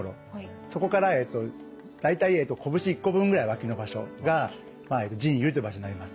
そこから大体こぶし１個分ぐらい脇の場所が腎兪という場所になります。